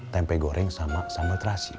tempe goreng sama sambal terasi